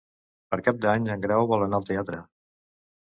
Per Cap d'Any en Grau vol anar al teatre.